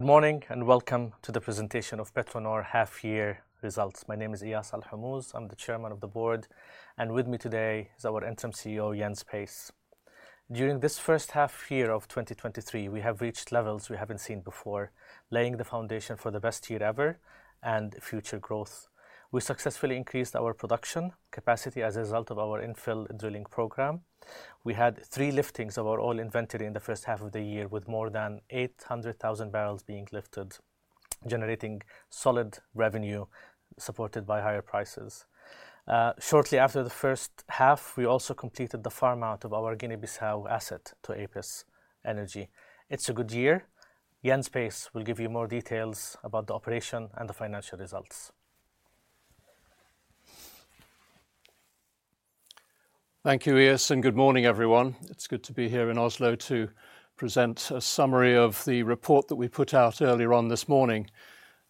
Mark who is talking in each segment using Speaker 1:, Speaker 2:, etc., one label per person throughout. Speaker 1: Good morning, and welcome to the presentation of PetroNor Half-Year Results. My name is Eyas Alhomouz. I'm the chairman of the board, and with me today is our Interim CEO, Jens Pace. During this first half year of 2023, we have reached levels we haven't seen before, laying the foundation for the best year ever and future growth. We successfully increased our production capacity as a result of our infill drilling program. We had three liftings of our oil inventory in the first half of the year, with more than 800,000 bbl being lifted, generating solid revenue, supported by higher prices. Shortly after the first half, we also completed the farm-out of our Guinea-Bissau asset to Apus Energy. It's a good year. Jens Pace will give you more details about the operation and the financial results.
Speaker 2: Thank you, Eyas, and good morning, everyone. It's good to be here in Oslo to present a summary of the report that we put out earlier on this morning.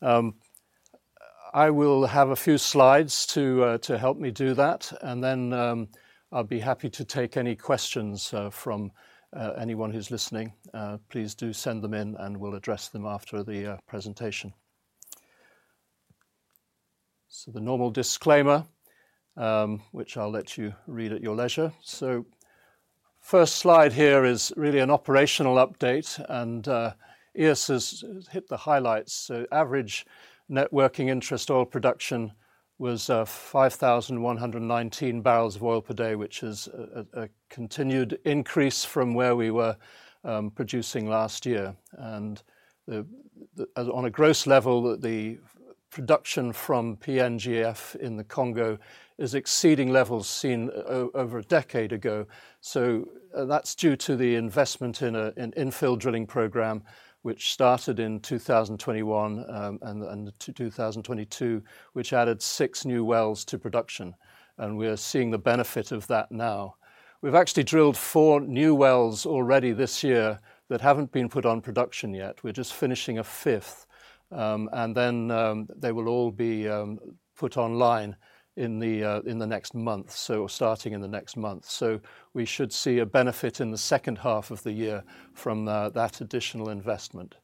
Speaker 2: I will have a few slides to help me do that, and then, I'll be happy to take any questions from anyone who's listening. Please do send them in, and we'll address them after the presentation. The normal disclaimer, which I'll let you read at your leisure. First slide here is really an operational update, and Eyas has hit the highlights. Average net working interest oil production was 5,119 bbl of oil per day, which is a continued increase from where we were producing last year. And the... On a gross level, the production from PNGF in the Congo is exceeding levels seen over a decade ago. So, that's due to the investment in an infill drilling program, which started in 2021 and 2022, which added six new wells to production, and we are seeing the benefit of that now. We've actually drilled four new wells already this year that haven't been put on production yet. We're just finishing a fifth, and then, they will all be put online in the next month, so starting in the next month. So we should see a benefit in the second half of the year from that additional investment.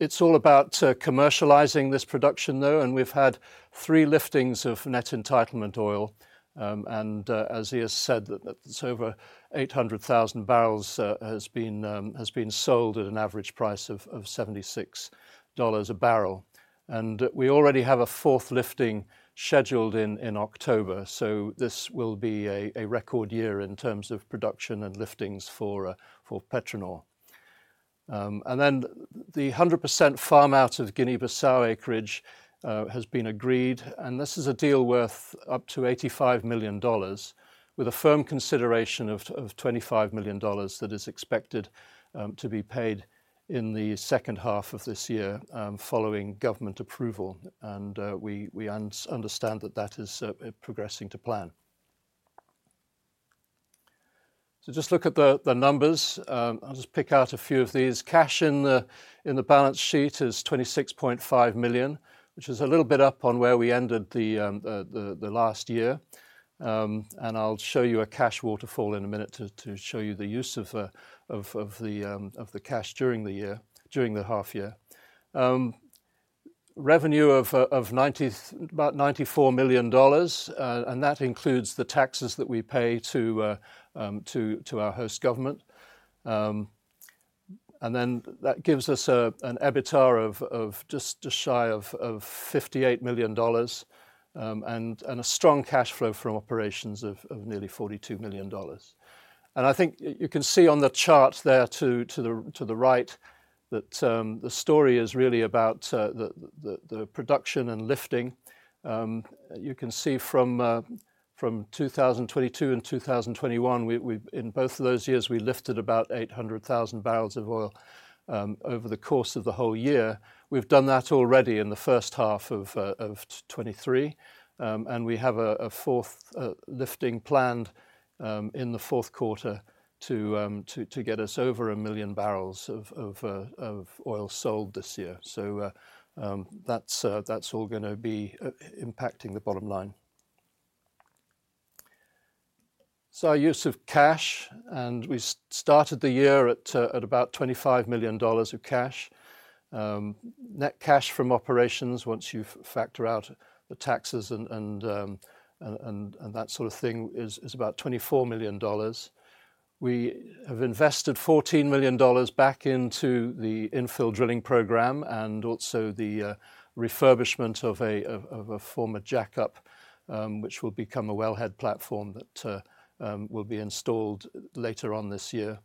Speaker 2: It's all about commercializing this production, though, and we've had three liftings of net entitlement oil. And as Eyas said, that's over 800,000 bbl has been sold at an average price of $76 a barrel. And we already have a fourth lifting scheduled in October, so this will be a record year in terms of production and liftings for PetroNor. And then the 100% farm out of Guinea-Bissau acreage has been agreed, and this is a deal worth up to $85 million, with a firm consideration of $25 million that is expected to be paid in the second half of this year, following government approval. And we understand that that is progressing to plan. So just look at the numbers. I'll just pick out a few of these. Cash in the balance sheet is $26.5 million, which is a little bit up on where we ended the last year. And I'll show you a cash waterfall in a minute to show you the use of the cash during the year, during the half year. Revenue of about $94 million, and that includes the taxes that we pay to our host government. And then that gives us an EBITDA of just shy of $58 million, and a strong cash flow from operations of nearly $42 million. I think you can see on the chart there too, to the right, that the story is really about the production and lifting. You can see from 2022 and 2021, in both of those years, we lifted about 800,000 bbl of oil over the course of the whole year. We've done that already in the first half of 2023. And we have a fourth lifting planned in the fourth quarter to get us over 1 million bbl of oil sold this year. So that's all gonna be impacting the bottom line. So our use of cash, and we started the year at about $25 million of cash. Net cash from operations, once you factor out the taxes and that sort of thing, is about $24 million. We have invested $14 million back into the infill drilling program and also the refurbishment of a former jackup, which will become a wellhead platform that will be installed later on this year.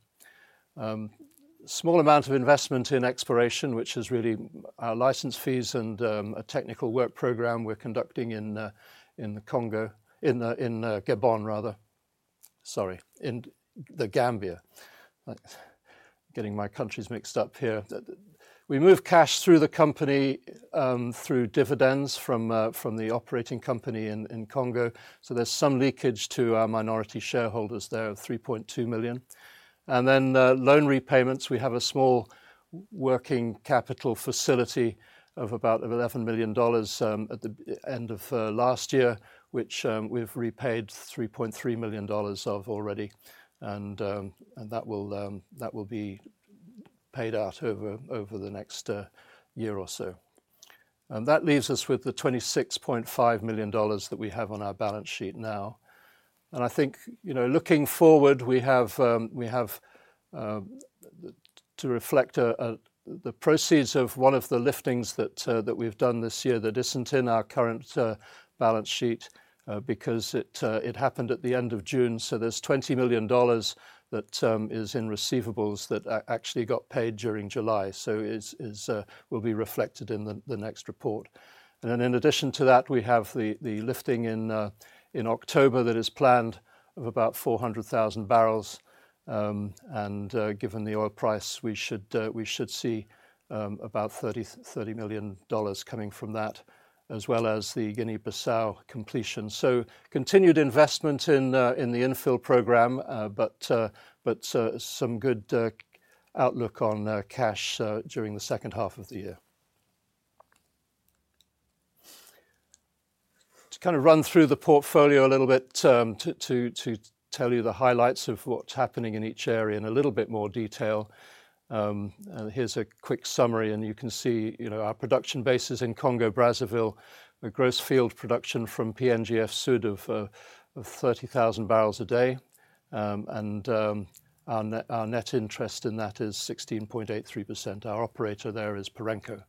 Speaker 2: Small amount of investment in exploration, which is really our license fees and a technical work program we're conducting in the Congo, in Gabon, rather. Sorry, in The Gambia. Getting my countries mixed up here. We moved cash through the company, through dividends from the operating company in Congo, so there's some leakage to our minority shareholders there of $3.2 million. Then, loan repayments, we have a small working capital facility of about $11 million at the end of last year, which we've repaid $3.3 million of already. And that will be paid out over the next year or so... And that leaves us with the $26.5 million that we have on our balance sheet now. And I think, you know, looking forward, we have to reflect the proceeds of one of the liftings that we've done this year that isn't in our current balance sheet because it happened at the end of June. So there's $20 million that is in receivables that actually got paid during July, so it will be reflected in the next report. And then in addition to that, we have the lifting in October that is planned of about 400,000 bbl. And given the oil price, we should see about $30 million coming from that, as well as the Guinea-Bissau completion. So continued investment in the infill program, but some good outlook on cash during the second half of the year. To kind of run through the portfolio a little bit, to tell you the highlights of what's happening in each area in a little bit more detail. And here's a quick summary, and you can see, you know, our production bases in Congo-Brazzaville. A gross field production from PNGF-Sud of 30,000 bpd, and our net interest in that is 16.83%. Our operator there is Perenco.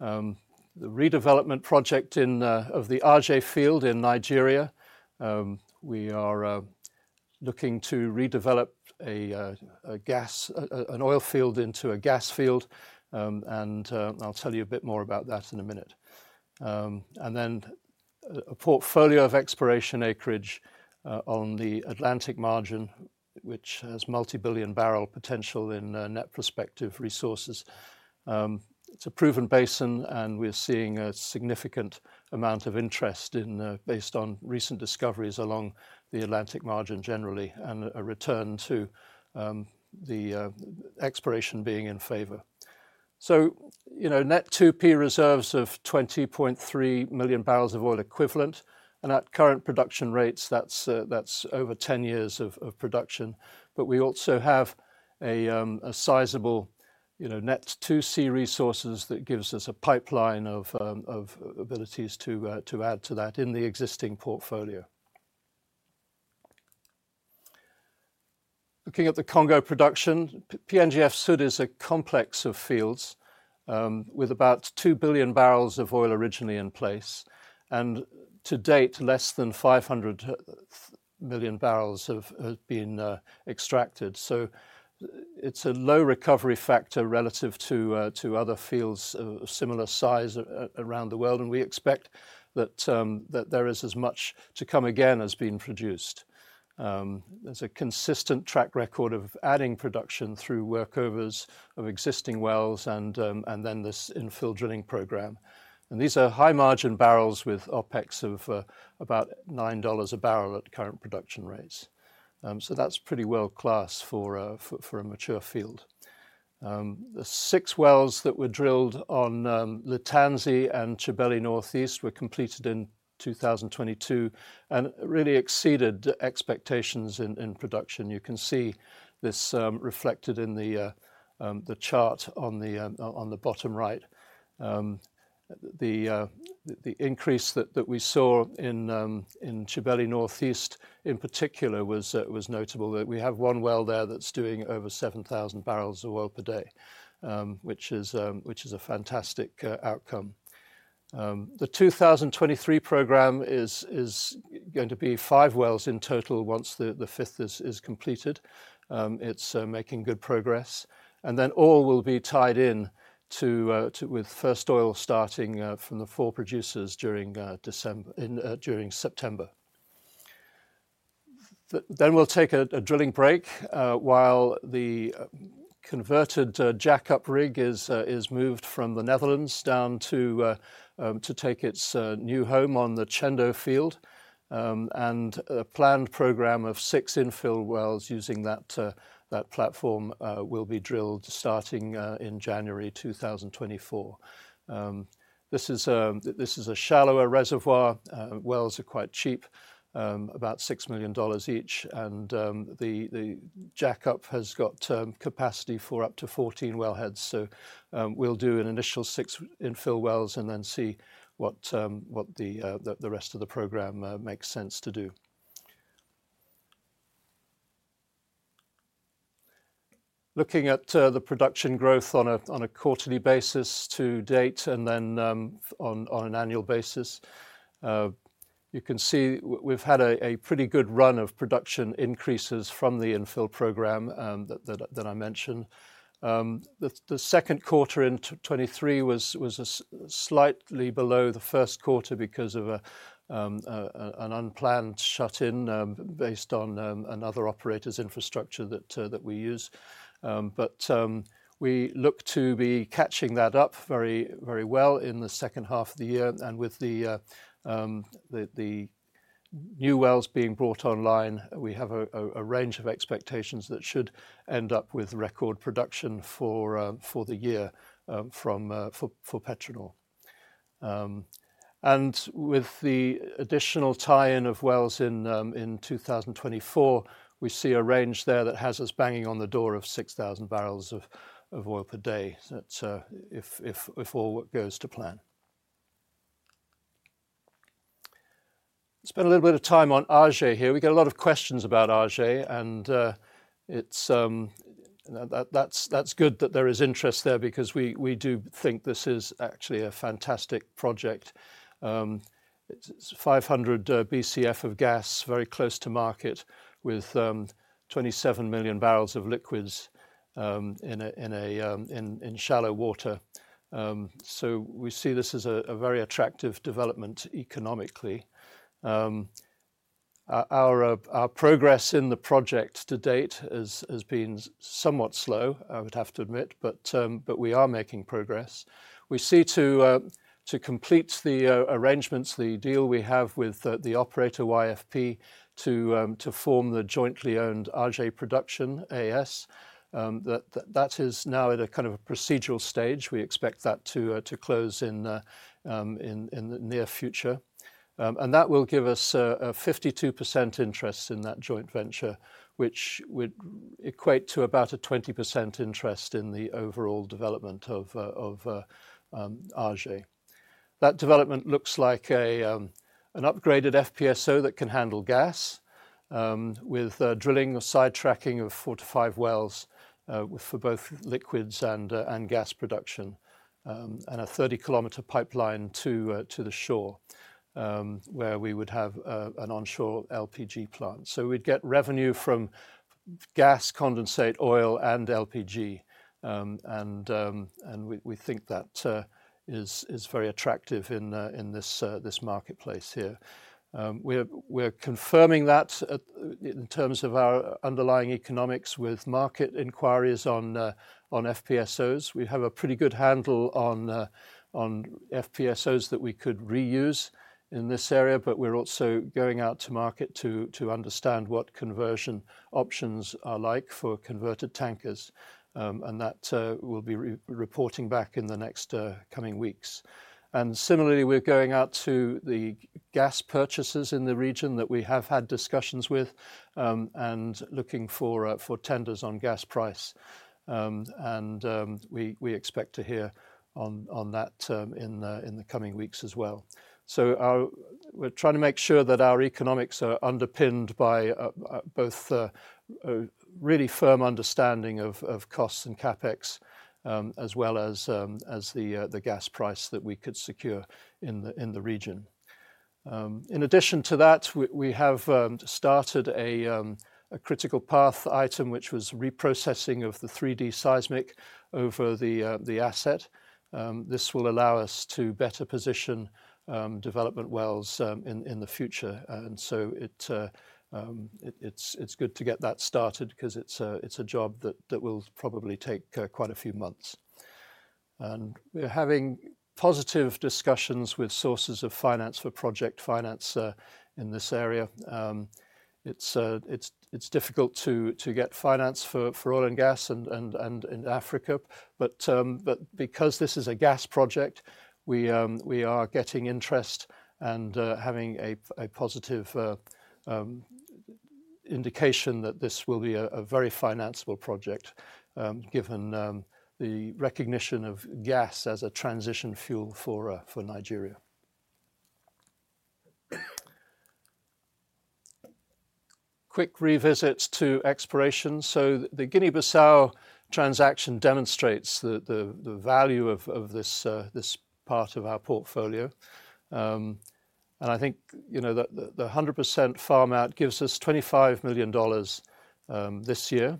Speaker 2: The redevelopment project of the Aje field in Nigeria, we are looking to redevelop an oil field into a gas field. I'll tell you a bit more about that in a minute. And then a portfolio of exploration acreage on the Atlantic Margin, which has multi-billion-barrel potential in net prospective resources. It's a proven basin, and we're seeing a significant amount of interest in. based on recent discoveries along the Atlantic Margin generally, and a return to exploration being in favor. So, you know, net 2P reserves of 20.3 million barrels of oil equivalent, and at current production rates, that's over 10 years of production. But we also have a sizable, you know, net 2C resources that gives us a pipeline of abilities to add to that in the existing portfolio. Looking at the Congo production, PNGF-Sud is a complex of fields with about 2 billion bbl of oil originally in place, and to date, less than 500 million bbl have been extracted. So it's a low recovery factor relative to other fields of similar size around the world, and we expect that there is as much to come again as being produced. There's a consistent track record of adding production through workovers of existing wells and then this infill drilling program. And these are high-margin barrels with OpEx of about $9 a barrel at current production rates. So that's pretty world-class for a mature field. The six wells that were drilled on Litanzi and TchibeliNorth East were completed in 2022 and really exceeded expectations in production. You can see this reflected in the chart on the bottom right. The increase that we saw in Tchibeli North East, in particular, was notable. That we have one well there that's doing over 7,000 bbl of oil per day, which is a fantastic outcome. The 2023 program is going to be five wells in total once the fifth is completed. It's making good progress, and then all will be tied in to, with first oil starting from the four producers during December - in during September. Then we'll take a drilling break while the converted jackup rig is moved from the Netherlands down to take its new home on the Tchendo field. A planned program of six infill wells using that platform will be drilled starting in January 2024. This is a shallower reservoir. Wells are quite cheap, about $6 million each, and the jackup has got capacity for up to 14 wellheads. So, we'll do an initial six infill wells and then see what the rest of the program makes sense to do. Looking at the production growth on a quarterly basis to date, and then on an annual basis, you can see we've had a pretty good run of production increases from the infill program that I mentioned. The second quarter in 2023 was slightly below the first quarter because of an unplanned shut-in based on another operator's infrastructure that we use. But we look to be catching that up very, very well in the second half of the year. And with the new wells being brought online, we have a range of expectations that should end up with record production for the year from PetroNor. And with the additional tie-in of wells in 2024, we see a range there that has us banging on the door of 6,000 bbl of oil per day. That's if all goes to plan. Spend a little bit of time on Aje here. We get a lot of questions about Aje, and it's good that there is interest there because we do think this is actually a fantastic project. It's 500 BCF of gas, very close to market, with 27 million bbl of liquids, in shallow water. So we see this as a very attractive development economically. Our progress in the project to date has been somewhat slow, I would have to admit, but we are making progress. We seek to complete the arrangements, the deal we have with the operator, YFP, to form the jointly owned Aje Production AS. That is now at a kind of a procedural stage. We expect that to close in the near future. And that will give us a 52% interest in that joint venture, which would equate to about a 20% interest in the overall development of Aje. That development looks like an upgraded FPSO that can handle gas, with drilling or sidetracking of four to five wells for both liquids and gas production. And a 30-km pipeline to the shore, where we would have an onshore LPG plant. So we'd get revenue from gas, condensate, oil, and LPG. And we think that is very attractive in this marketplace here. We're confirming that in terms of our underlying economics with market inquiries on FPSOs. We have a pretty good handle on FPSOs that we could reuse in this area, but we're also going out to market to understand what conversion options are like for converted tankers, and that we'll be reporting back in the next coming weeks. Similarly, we're going out to the gas purchasers in the region that we have had discussions with and looking for tenders on gas price. We expect to hear on that in the coming weeks as well. So our... We're trying to make sure that our economics are underpinned by both a really firm understanding of costs and CapEx, as well as the gas price that we could secure in the region. In addition to that, we have started a critical path item, which was reprocessing of the 3D seismic over the asset. This will allow us to better position development wells in the future. And so it's good to get that started 'cause it's a job that will probably take quite a few months. And we're having positive discussions with sources of finance for project finance in this area. It's difficult to get finance for oil and gas in Africa, but because this is a gas project, we are getting interest and having a positive indication that this will be a very financeable project, given the recognition of gas as a transition fuel for Nigeria. Quick revisit to exploration. So the Guinea-Bissau transaction demonstrates the value of this part of our portfolio. I think, you know, the 100% farm-out gives us $25 million this year.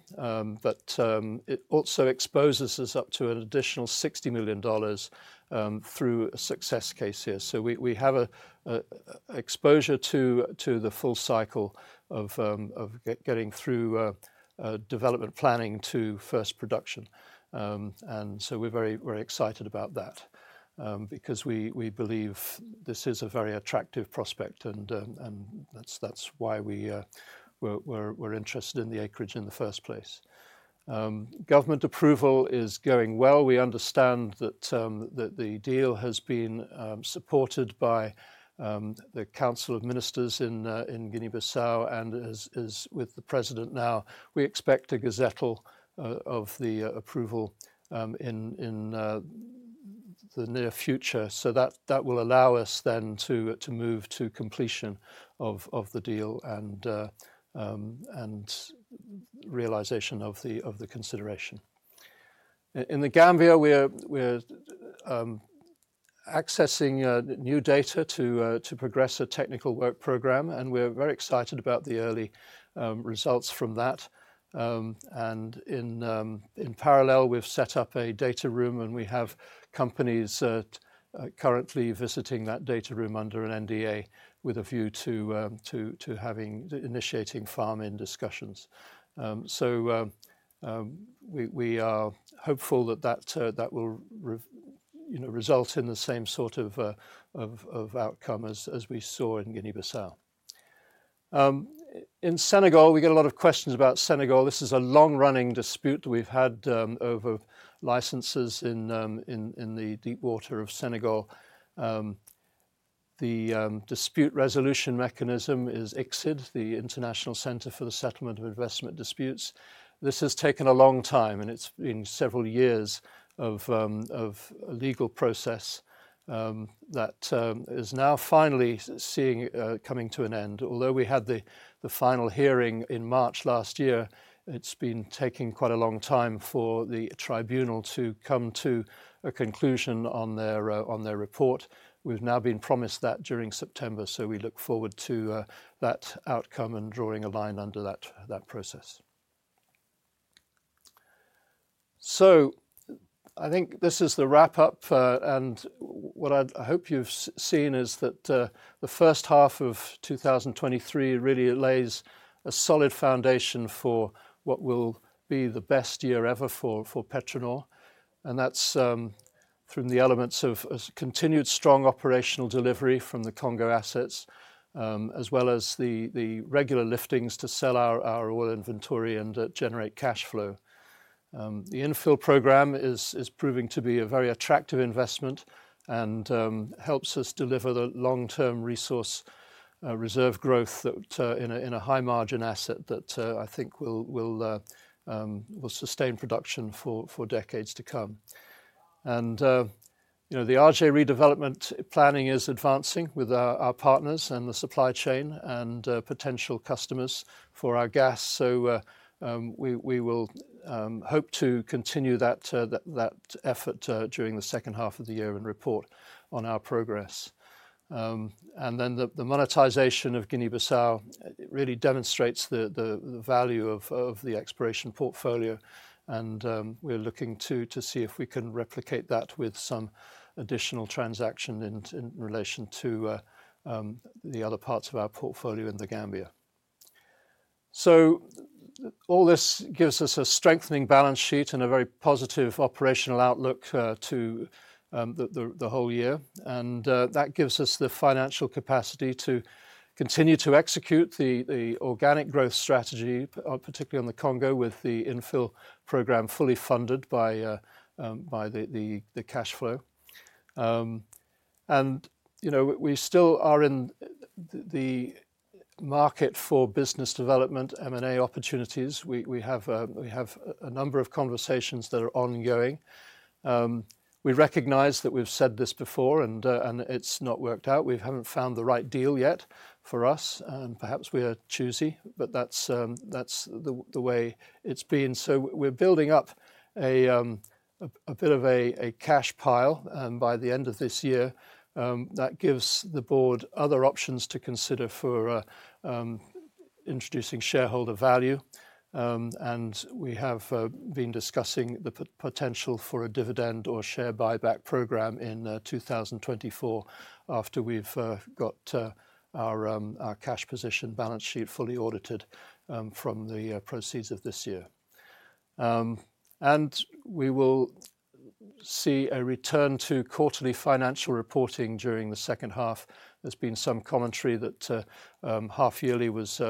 Speaker 2: It also exposes us up to an additional $60 million through a success case here. So we have a exposure to the full cycle of getting through development planning to first production. So we're very excited about that because we believe this is a very attractive prospect, and that's why we're interested in the acreage in the first place. Government approval is going well. We understand that the deal has been supported by the Council of Ministers in Guinea-Bissau, and is with the President now. We expect a gazettal of the approval in the near future. So that will allow us then to move to completion of the deal and realization of the consideration. In The Gambia, we're accessing new data to progress a technical work program, and we're very excited about the early results from that. And in parallel, we've set up a data room, and we have companies currently visiting that data room under an NDA with a view to initiating farm-in discussions. So, we are hopeful that that will, you know, result in the same sort of outcome as we saw in Guinea-Bissau. In Senegal, we get a lot of questions about Senegal. This is a long-running dispute we've had over licenses in the deep water of Senegal. The dispute resolution mechanism is ICSID, the International Centre for the Settlement of Investment Disputes. This has taken a long time, and it's been several years of legal process that is now finally seeing coming to an end. Although we had the final hearing in March last year, it's been taking quite a long time for the tribunal to come to a conclusion on their report. We've now been promised that during September, so we look forward to that outcome and drawing a line under that process. So I think this is the wrap-up, and what I hope you've seen is that the first half of 2023 really lays a solid foundation for what will be the best year ever for PetroNor. That's from the elements of continued strong operational delivery from the Congo assets, as well as the regular liftings to sell our oil inventory and generate cash flow. The infill program is proving to be a very attractive investment and helps us deliver the long-term resource reserve growth that in a high-margin asset that I think will sustain production for decades to come. And you know, the Aje redevelopment planning is advancing with our partners and the supply chain, and potential customers for our gas. So we will hope to continue that effort during the second half of the year and report on our progress. And then the monetization of Guinea-Bissau really demonstrates the value of the exploration portfolio, and we're looking to see if we can replicate that with some additional transaction in relation to the other parts of our portfolio in The Gambia. So all this gives us a strengthening balance sheet and a very positive operational outlook to the whole year. And that gives us the financial capacity to continue to execute the organic growth strategy, particularly on the Congo, with the infill program fully funded by the cash flow. And, you know, we still are in the market for business development, M&A opportunities. We have a number of conversations that are ongoing. We recognize that we've said this before, and it's not worked out. We haven't found the right deal yet for us, and perhaps we are choosy, but that's the way it's been. So we're building up a bit of a cash pile by the end of this year. That gives the board other options to consider for introducing shareholder value. And we have been discussing the potential for a dividend or share buyback program in 2024, after we've got our cash position balance sheet fully audited from the proceeds of this year. And we will see a return to quarterly financial reporting during the second half. There's been some commentary that half yearly was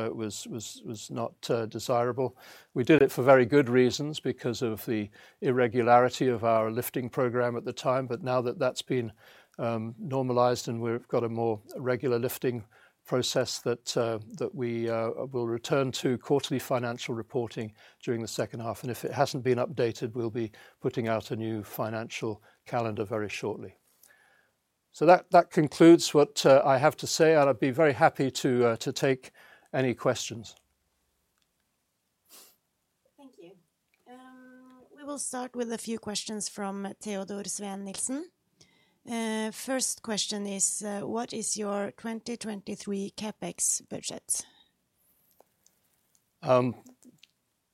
Speaker 2: not desirable. We did it for very good reasons because of the irregularity of our lifting program at the time, but now that that's been normalized and we've got a more regular lifting process, that we will return to quarterly financial reporting during the second half. And if it hasn't been updated, we'll be putting out a new financial calendar very shortly. So that concludes what I have to say, and I'd be very happy to take any questions.
Speaker 3: Thank you. We will start with a few questions from Teodor Sveen-Nilsen. First question is: "What is your 2023 CapEx budget?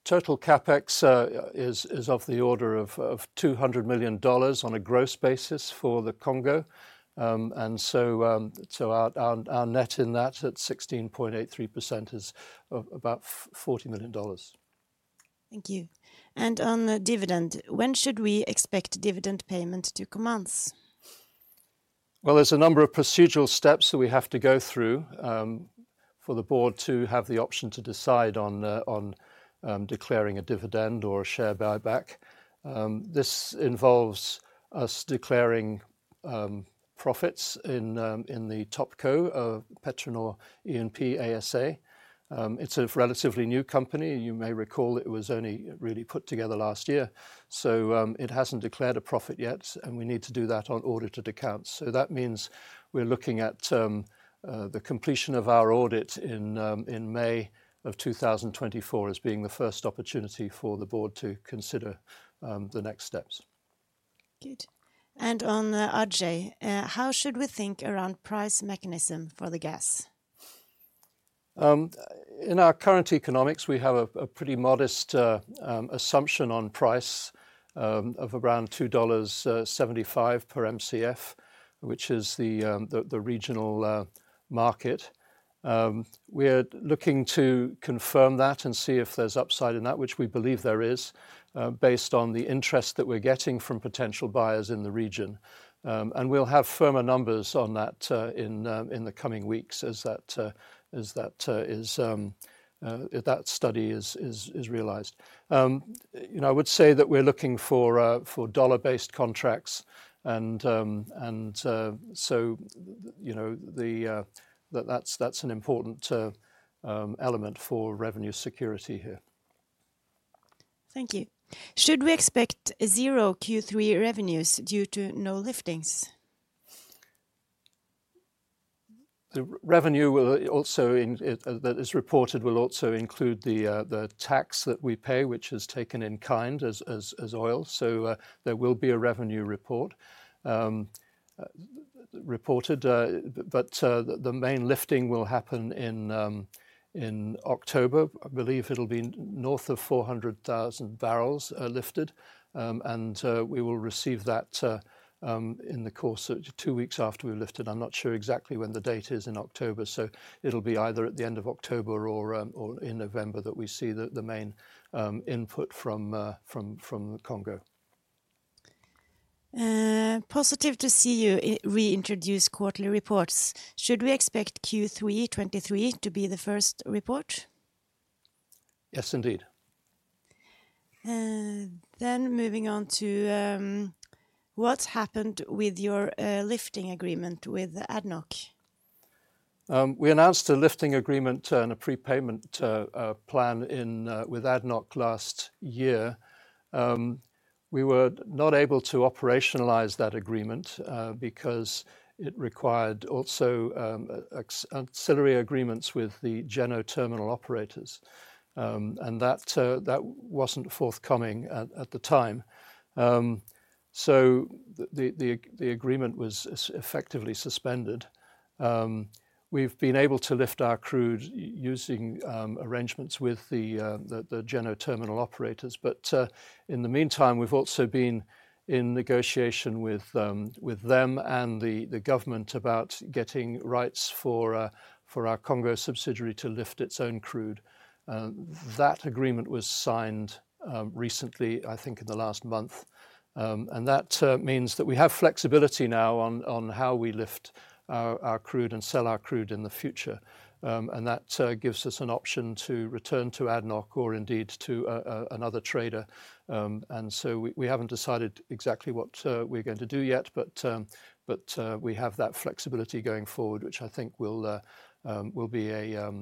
Speaker 2: Total CapEx is of the order of $200 million on a gross basis for the Congo. Our net in that, at 16.83%, is about $40 million.
Speaker 3: Thank you. On the dividend: "When should we expect dividend payment to commence?
Speaker 2: Well, there's a number of procedural steps that we have to go through for the board to have the option to decide on declaring a dividend or a share buyback. This involves us declaring profits in the Topco of PetroNor E&P ASA. It's a relatively new company. You may recall it was only really put together last year, so it hasn't declared a profit yet, and we need to do that on audited accounts. So that means we're looking at the completion of our audit in May 2024 as being the first opportunity for the board to consider the next steps.
Speaker 3: Good. And on, Aje: "How should we think around price mechanism for the gas?...
Speaker 2: In our current economics, we have a pretty modest assumption on price of around $2.75 per MCF, which is the regional market. We're looking to confirm that and see if there's upside in that, which we believe there is, based on the interest that we're getting from potential buyers in the region. And we'll have firmer numbers on that in the coming weeks as that is if that study is realized. You know, I would say that we're looking for dollar-based contracts, and so, you know, that that's an important element for revenue security here.
Speaker 3: Thank you. Should we expect zero Q3 revenues due to no liftings?
Speaker 2: The revenue will also in that is reported will also include the tax that we pay, which is taken in kind as oil. So, there will be a revenue report reported, but the main lifting will happen in October. I believe it'll be north of 400,000 bbl lifted, and we will receive that in the course of two weeks after we've lifted. I'm not sure exactly when the date is in October, so it'll be either at the end of October or in November that we see the main input from Congo.
Speaker 3: Positive to see you reintroduce quarterly reports. Should we expect Q3 2023 to be the first report?
Speaker 2: Yes, indeed.
Speaker 3: Then moving on to what's happened with your lifting agreement with ADNOC?
Speaker 2: We announced a lifting agreement and a prepayment plan with ADNOC last year. We were not able to operationalize that agreement because it required also ancillary agreements with the Djeno terminal operators. That wasn't forthcoming at the time. So the agreement was effectively suspended. We've been able to lift our crude using arrangements with the Djeno terminal operators. But in the meantime, we've also been in negotiation with them and the government about getting rights for our Congo subsidiary to lift its own crude. That agreement was signed recently, I think, in the last month. And that means that we have flexibility now on how we lift our crude and sell our crude in the future. And that gives us an option to return to ADNOC or indeed to another trader. And so we haven't decided exactly what we're going to do yet, but we have that flexibility going forward, which I think will be a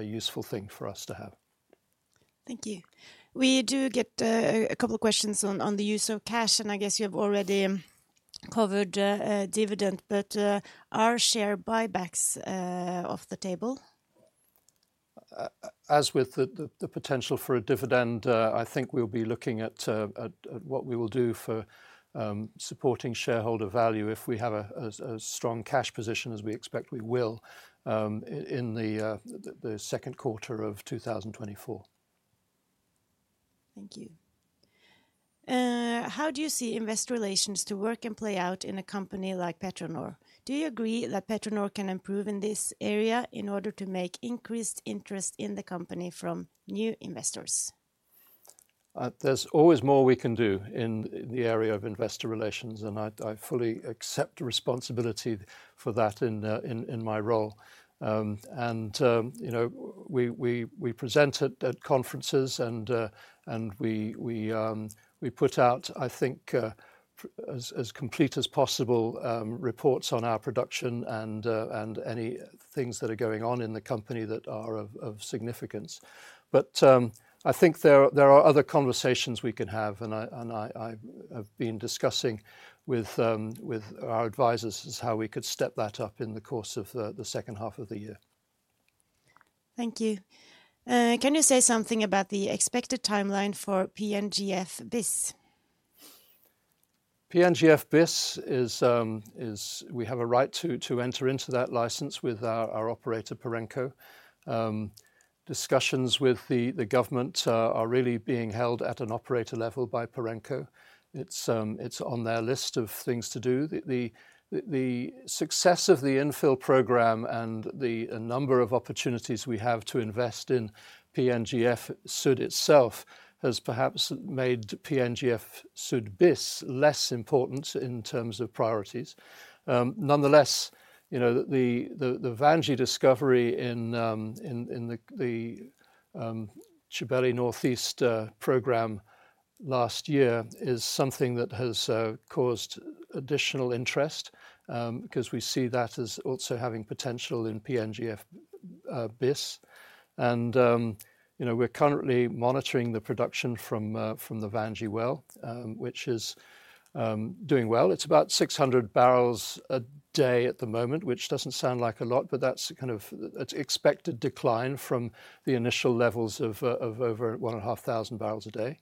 Speaker 2: useful thing for us to have.
Speaker 3: Thank you. We do get a couple of questions on the use of cash, and I guess you have already covered dividend, but are share buybacks off the table?
Speaker 2: As with the potential for a dividend, I think we'll be looking at what we will do for supporting shareholder value if we have a strong cash position, as we expect we will, in the second quarter of 2024.
Speaker 3: Thank you. How do you see investor relations to work and play out in a company like PetroNor? Do you agree that PetroNor can improve in this area in order to make increased interest in the company from new investors?
Speaker 2: There's always more we can do in the area of investor relations, and I fully accept responsibility for that in my role. You know, we present at conferences and we put out, I think, as complete as possible reports on our production and any things that are going on in the company that are of significance. But I think there are other conversations we can have, and I have been discussing with our advisors is how we could step that up in the course of the second half of the year.
Speaker 3: Thank you. Can you say something about the expected timeline for PNGF-Bis?
Speaker 2: PNGF-Bis is. We have a right to enter into that license with our operator, Perenco. Discussions with the government are really being held at an operator level by Perenco. It's on their list of things to do. The success of the infill program and a number of opportunities we have to invest in PNGF-Sud itself has perhaps made PNGF-Sud Bis less important in terms of priorities. Nonetheless, you know, the Vandji discovery in the Tchibeli North East Program last year is something that has caused additional interest because we see that as also having potential in PNGF Bis. And you know, we're currently monitoring the production from the Vandji well, which is doing well. It's about 600 barrels a day at the moment, which doesn't sound like a lot, but that's kind of its expected decline from the initial levels of over 1,500 bpd.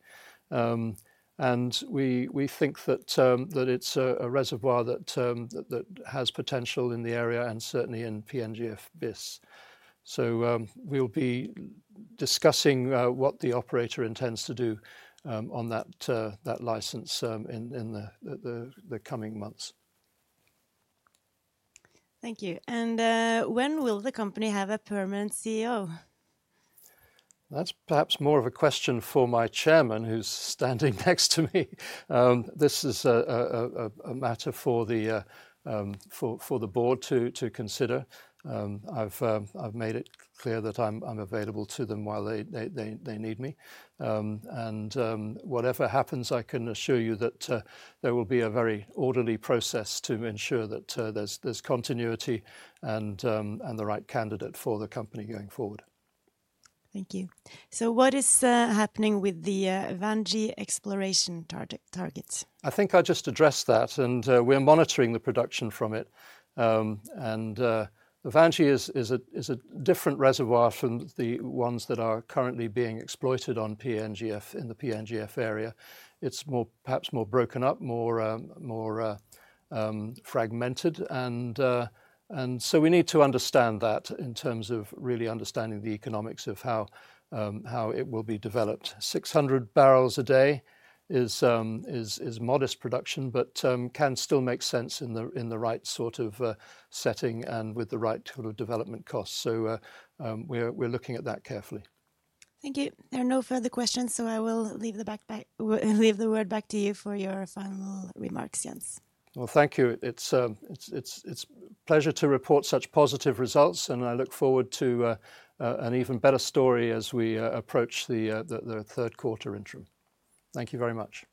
Speaker 2: And we think that it's a reservoir that has potential in the area and certainly in PNGF-Bis. So, we'll be discussing what the operator intends to do on that license in the coming months.
Speaker 3: Thank you. When will the company have a permanent CEO?
Speaker 2: That's perhaps more of a question for my chairman, who's standing next to me. This is a matter for the board to consider. I've made it clear that I'm available to them while they need me. And whatever happens, I can assure you that there will be a very orderly process to ensure that there's continuity and the right candidate for the company going forward.
Speaker 3: Thank you. So what is happening with the Vandji exploration target, targets?
Speaker 2: I think I just addressed that, and we're monitoring the production from it. And the Vandji is a different reservoir from the ones that are currently being exploited on PNGF, in the PNGF area. It's more... perhaps more broken up, more fragmented, and so we need to understand that in terms of really understanding the economics of how it will be developed. 600 bpd is modest production, but can still make sense in the right sort of setting and with the right sort of development costs. So we're looking at that carefully.
Speaker 3: Thank you. There are no further questions, so I will leave the word back to you for your final remarks, Jens.
Speaker 2: Well, thank you. It's a pleasure to report such positive results, and I look forward to an even better story as we approach the third quarter interim. Thank you very much.